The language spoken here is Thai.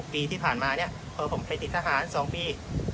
ปีที่ผ่านมาเนี่ยผมเคยติดทหาร๒ปี